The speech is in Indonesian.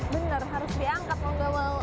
bener harus diangkat